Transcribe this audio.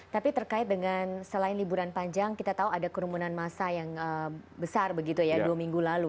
tapi terkait dengan selain liburan panjang kita tahu ada kerumunan masa yang besar begitu ya dua minggu lalu